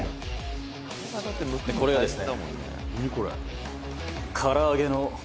「これがですね」